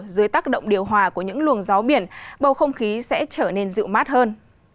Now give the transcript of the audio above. dưới tác động điều hòa của những luồng gió biển bầu không khí sẽ trở nên dịu mát hơn